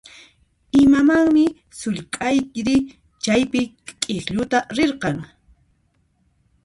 Imamanmi sullk'ayri chawpi k'iklluta rirqan?